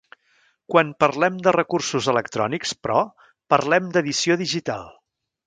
Quan parlem de recursos electrònics, però, parlem d'edició digital.